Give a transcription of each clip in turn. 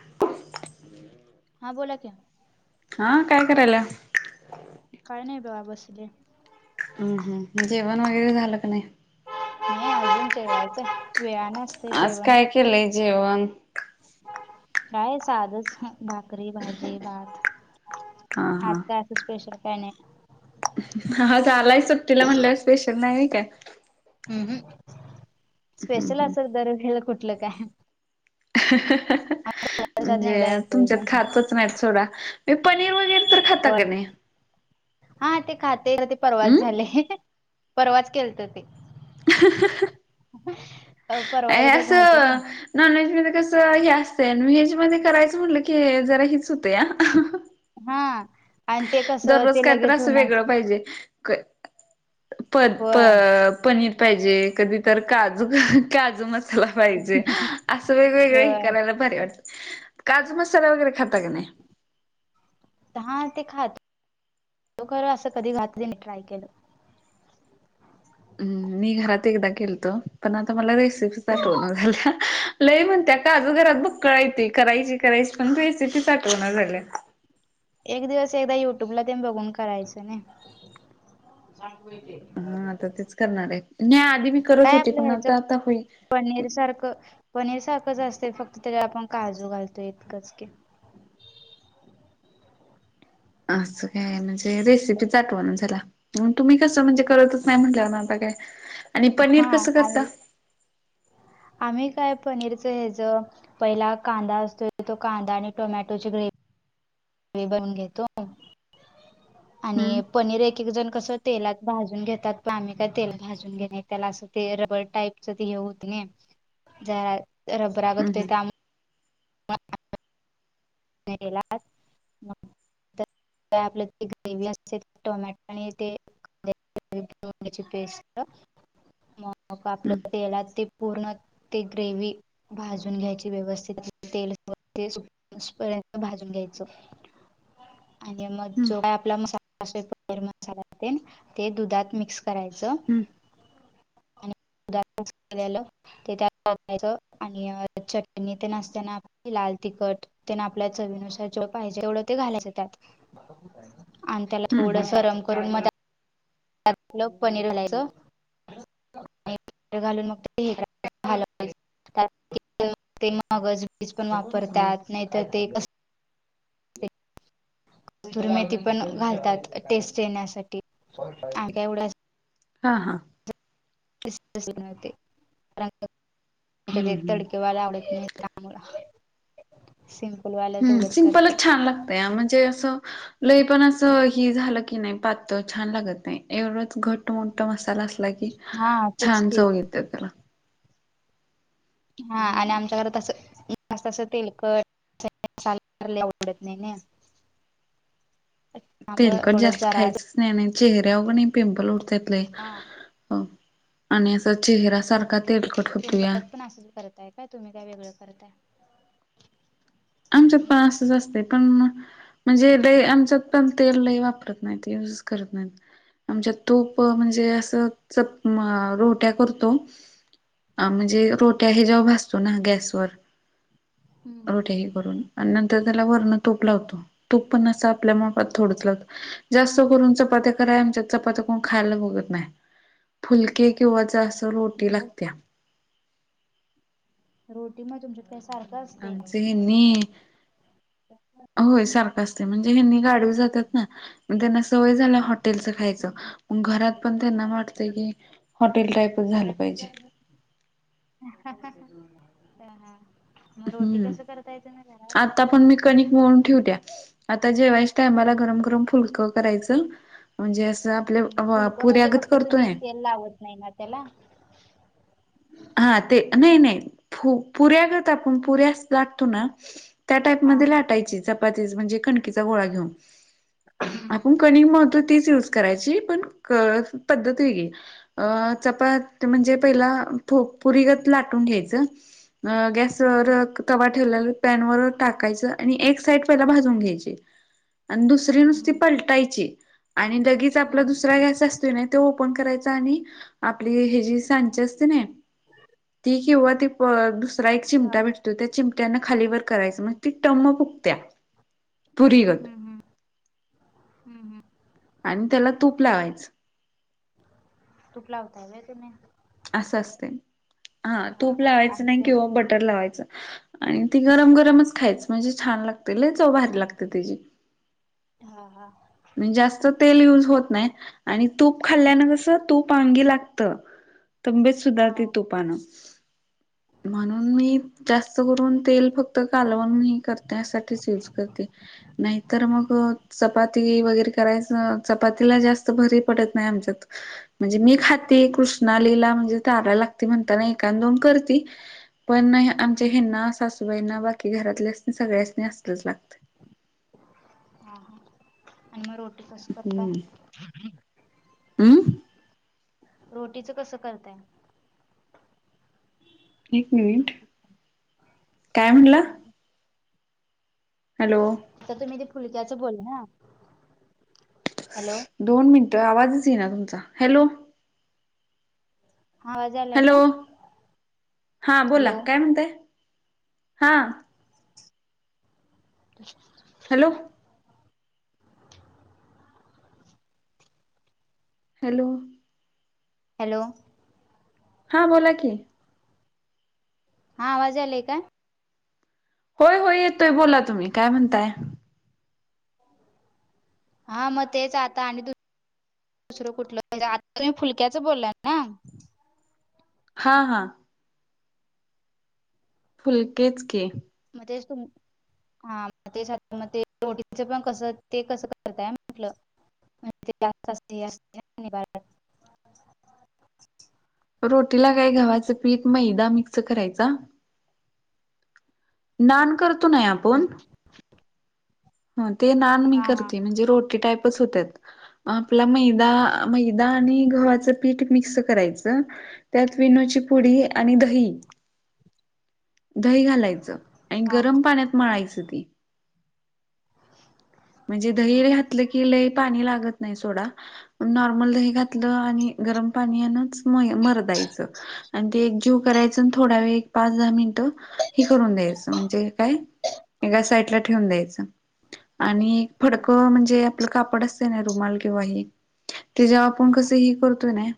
[inaudible] हा बोला की. हा काय करायला? काय नाही बघ बसले. हम् हम. जेवण वगैरे झालं का नाही? नाही अजून जेवायचं वेळ आहे ना. आज काय केलंय जेवण? काय साधच भाकरी भारी भात. हा हा. आजता असं स्पेशल काय नाही. हा झालाय सुट्टीला म्हटलंवर स्पेशल नाही काय. हम् हम् हम्म स्पेशल हम्म. असं दर वेळेला कुठलं काय? दिवसातनं म्हणजे एकदा येतय तुमच्यात नाही खातच नाही थोडा पनीर वगैर. हो हा ते खाते का ते परवात हम्म. झाले. परवाच केलत ते. [unintelligible] अ परवा इदा झालत ना. नॉन व्हेज मध्ये कसं हे असतं व्हेज मध्ये करायचं म्हटलं की जरा हेच होते या. हा आणि ते कस ते काय तर लगेच असं वेगळं होण्याचं. प होय पनीर पाहिजे कधी तर काजू काजू मस् पाहिजे असं वेगवेगळ होय हिकाला भारी वाटतं. काजू मसाला वगैरे खाता काी नाही. हा ते खात त खर असं कधी खात तेी ट्राय केलं. हम्म मी घरात एकदा गेलतो पण आता मला रेसिपी आठव ना झाल्या. लय म्हणत्या का आज घरात बक् कळायती करायची करायची पण त रेसिपी साठवणार झाल्या. एक दिवस एकदा युट्यूबला ते बघून करायच ना. हा आता तेच करणार आहे न्या आधी मी करत काय होते आपलं पण ह्याचं आता आता होई. पनीर सारखं पनीर सारखंच असत फक्त तरी आपण काजू घालतो इतकंच की असं काय म्ह रेसिपी चचाटो म्हणूनुंला तुम्ही कसं म्हणजे करतच नाही म्हटलं ना आता काय आणि पनीर हा कसं करता. आणि आम्ही काय पनीरच हच. पहिला कांदा असतो तो कांदा आणि टोमॅटोची ग्रेव. बनून घेतो हम्म आणि पनीर एक. एक जण कस तेलात भाजून घेतात प्मिका तेल भाजून घेणे त्याला असं ते रबर टाईप. ते हे होत नाही जरा हम्म रबरागत हो. हम्म ला आपलं ते ग्रेवी असते टोमॅटो आणि ते ची पेस्ट मग आपल्या याला ते पूर्ण ते ग्रेव भाजून घ्यायची व्यवस्थित ते व भाजून घ्यायचं. आणि मग हम्म जो काय आपला मसाला असोैर मसाला ते दुधात मिक्स करायचं हम्म आणि दुधात मिक्स झालं. ते त्यायच आणि चटणी ते नाचताना आप लाल तिखट. त्यांना आपल्या चवीनुसार जेव पाहिजे तेवढं ते घालायचं त्यात आणि त्याला हम्म थोडं हम्म सरम करून मजलं पनीर हलायचं. घालून मग ते मगजबीज पण वापरतात नाहीतर ते [unintelligible] कतुरमेथी पण घालतात टेस्ट येण्यासाठी आका एवढ्या. हां हां. तवाला. हम्म त्यामु सिमपलवालं तेवढंच करतेय. त्या म्हणजे असं. लय पण असं ही झालं की नाही पातळ छान लागत नाही, एवढंच घट मोठ मसाला असला असला की, हा तेच छान की चव येते त्याला. हा आणि हम्म आमच्या घरात असं मस्त असं तेलकट मसालेदार लय आवडत नाही नाय. त्यामुळे तेलकट तेवढचं जास्त जरास खायचंच नाही नाही, चेहऱ्यावर कनाही पिंपल उटत्यात लय. हा आणि असा चेहरा सारखा बनवते तेलकट होतोया. तुमच्यात पण असचं करतायेत. काय तुम्ही काय वेगळं करताय? आमच्यात पण असंच असत पण, म-म्हणजे लय आमच्यात पण तेल लई वापरत नाहीत. नाही ते युजच करत नाहीत. आमच्या तूप म्हणजे, असं चप -रोट्या करतो. अ म्हणजे रोट्या हे जेव्हा भाजतो ना, गॅसवर हम्म रोट्या हे करून आणि नंतर त्याला वरण तूप लावतो, तूप पण असं आपल्या मापात थोडंच लावतो. जास्त करून चपात्या कराय, आमच्यात चपात्या कोण खायला बघत नाही. फुलके किंवा म्हणजे असं रोटी मग लागत्या. रोटी मग, तुमच्यात म सारखं असतयं काय? नाही होय सारखं असतय, म्हणजे हेनी गाडीवर जात्यात ना त्यांना सवय झाल्या, हॉटेलच खायचं हम्म. मग घरात पण त्यांना वाट की हॉटेल टाईपच झालं पाहिजे. हा हा, मग रोटी हम्म कस करताय तुम्ही घरात? आता पण मी कणिक मळून ठेवत्या, आता जेवायच्या टायमाला हम्म गरम गरम फुलक करायचं म्हणजे असं हम, आपल्या फुलकं म्हणजे पुऱ्यागत फक्त करतो तुम्ही नाही तेल लावत नाही ना त्याला? हा ते नाही नाही, फु- पुऱ्या करतो आपण पुऱ्या असं लाटतो ना त्या टाईप हा मध्ये लाटायची चपातीचं, म्हणजे कणकीचा गोळा घेऊन. हम्म आपण कनिक मळतोय तीच यूज करायची, पण क पद्धत वेगळी. अ चपात म्हणजे पहिला थो पुरीगत लाटून घ्यायचं अ गॅसवर हम्म तवा ठेवलेला पॅनवर टाकायचं, आणि एक साइड पहिला भाजून घ्यायची. आणि दुसरी हम्म नुसती हम्म पलटायची, आणि लगीच आपला हम्म दुसरा गॅस असतोय त ओपन करायची, आणि आपली हे जी सांची असते नाही, [unintelligible] ती किंवा ती दुसरा एक हा चिमटा भेट तो त्या चिमट्यान खाली वर करायचं, मग ती टम्म फुगत्या पुरीगत. ह ह ह. आणि त्याला तूप लावायचं. तुप लावताय होय, तुम्ही? असं असतयं, हा तूप लावायचं नाही किंवा बटर लावायच आणि ती गरम गरमच खायच म्हणजे, छान लागतय लय चव भारी लागते त्याची. हा हा. म्हणजे जास्त तेल युज होत नाही. आणि तूप खाल्ल्यानं कसं तूप अंगी लागतं. तब्येत हा सुधारते तुपान म्हणून मी जास्त करून तेल फक्त, कालवण हे करते साठीच यूज करते. नाही तर, मग चपात ती वगैरे करायचं, चपातीला जास्त भरी पडत नाही आमच्यात म्हणजे मी खाती कृष्णालीला म्हणजे चाराय लागतयं म्हणताना, एकाद दोन करती पण हम्म आमच्या हम्म हेना सासु बाईना बाकी घरातल्यांना सगळ्यासणी असलंच लागतं. हा हा. आणि मग रोटी कस करता हम्म हम्म रोटीचं कसं करताय एक मिनिट काय म्हणला हॅलो तर तुम्ही ती फुलक्याच बोल ना हॅलो दोन मिनटं आवाजच ये ना तुमचा हॅलो हा आवाज यायलाय हॅलो का हां बोला हॅलो काय म्हणतय हां [inaudible] हॅलो हॅलो हॅलो हा बोला की हा आवाज आलाय काय होय होय येतोय बोला तुम्ही काय म्हणताय हा मग तेच आता आणि त- दुसरं कुठलं आता तुम्ही फुलक्याचं बोललाय ना? हा हा फुलकेच की. म तेच तु. हा मग तेच म ते रोटीच पण कसं ते कसं करताय म्हटलं? म्हण जास्त असते ध्य- रोटीला काय गव्हाचं पीठ मैदा मिक्स करायचा. नान करतो ना ही आपून. ते नान मी हा हा करते म्हणजे रोटी टाईपच होत्यात. आपला मैदा मैदा आणि गव्हाचं पीठ मिक्स करायचं? त्यात विणूची पुडी आणि दही, दही घालायचं आणि हा हा गरम पाण्यात मळायचं ती. म्हणजे हम्म, दही हम्म, घातलं की लही पाणी लागत नाही सोडा नॉर्मल दही घातलं आणि गरम पाण्यानच म मरदायचं आणि ते एक जीव करायचं थोडा वेळ पाच दहा मिनिटं ही करून द्यायचं म्हणजे काय एका साईडला ठेवून द्यायचं आणि एक हम्म. फडकं म्हणजे, आप कापड असते ना रुमाल किंवा हि ते जेव्हा आपण कस ही करतोय ना?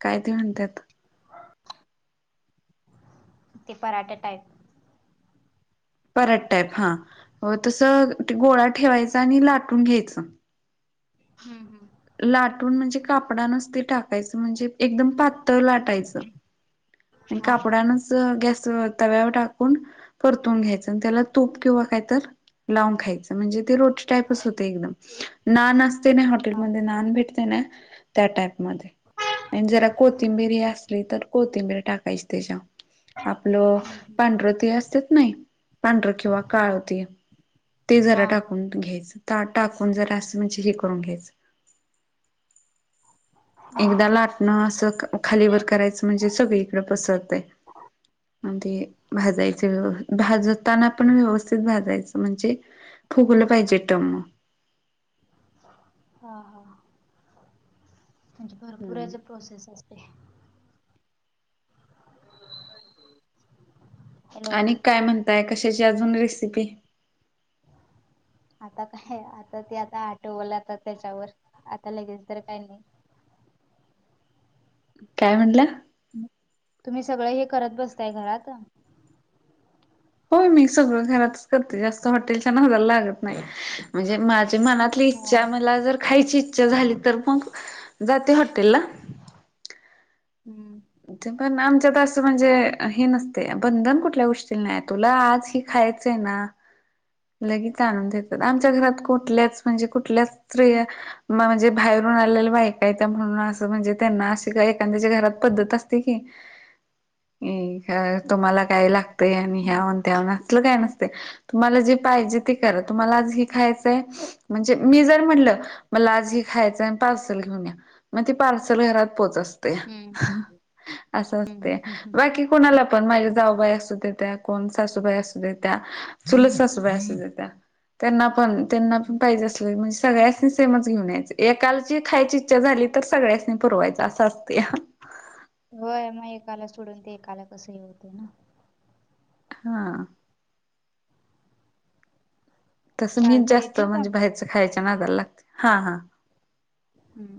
काय ते म्हणत्यात [inaudible] ते पराठा टाईप. पराठा टाईप हा तसं गोळा ठेवायचा आणि लाटून घ्यायचं? हम्म हम्म लाटून म्हणजे कापडच ते टाकायचं म्हणजे एकदम पातळ लाटायचं? आणि हा हा कापडानच? गॅस तव्यावर टाकून परतून घ्यायचं त्याला तूप किंवा काहीतर- लावून खायच म्हणजे, रोटी टापच होते एकदम नान असते ना हा हॉटेलमध्येन भेटते ना त्या टाईप मध्ये आणि जरा कोथिंबीरी असली तर कोथिंबीरी टाकायची त्याच्यात. आपलं पांढरं तीळ असतेच नाही पांढरं किंवा काळ तीळ. ते जरा हा टाकून घ्यायच टाकून जरा असं म्हणजे हे करून घ्यायचं? एकदा लाटणं असं खालीवर करायचं म्हणजे सगळीकडं पसरतय. म्हते भाजायच व भाजताना पण व्यवस्थित भाजायचं म्हणजे, फुगलं पाहिजे टम्म हा हा म्हणजे भरपूर हम्म अस प्रोसेस आहे? [unintelligible] आणि काय म्हणताय कशाची अजून रेसिपी. आता काय आता ते आता आटवल आता त्याच्यावर आता लगेच तर काय नाही? काय म्हणाला? तुम्ही सगळं हे करत बसताय घरात- होय मी सगळं घरातच करते जास्त हॉटेलच्या नाहला लागत नाही म्हणजे माझ्या मनात- ली हा इच्छा मला जर खायची इच्छा झाली तर मग जाते हॉटेलला. हम्म ते पण आमच्यात असं म्हणजे हे नसतय बंधन कुठल्या गोष्टी ला नाही आहे तुला आज हे खायचं आहे ना? लगेच आणून देतात आमच्या घरात कुठल्याच म्हणजे कुठल्याच स्त्रिया म्हणजे बाहेरून आलेलं बायका आहेता म्हणून असं म्हणजे त्यांना एखद्या घरात पद्धत असते की तुम्हाला काय लागतय आणि हा ह्यावन त्याव असलं काय नसतय तुम्हाला जे पाहिजे ते करा तुम्हाला आज ही खायचंय म्हणजे मी जर म्हटलं मला आज ही खायचं आणि पार्सल घेऊन या मग ती पार्सल घरात पोहोचतते. हम्म असं हम्म हम्म असते हम्म हम्म बाकी कोणाला पण माझे जाऊबाई असू दे त्या कोण सासूई असू दे त्या चुल पण त्यां पण हम्म पाजे अस सगळ्यांसनी सेमच घेऊन यायच एकालची खायची इच्छा झाली तर सगळ्यासनी पररवायच असं असते. होय मग एकाला सोडून ते एकाला कस ये होते ना हा तसं मीच चालते जास्त ठेवू का म्हणजे मग बाहेरचं खायच नादायला लागते हा हा हम्म